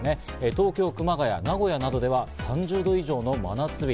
東京、熊谷、名古屋などでは３０度以上の真夏日。